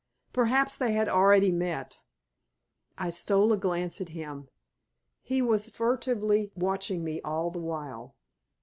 Perhaps they had already met; I stole a glance at him; he was furtively watching me all the while.